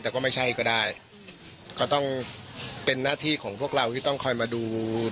แต่ก็ไม่ใช่ก็ได้ก็ต้องเป็นหน้าที่ของพวกเราที่ต้องคอยมาดู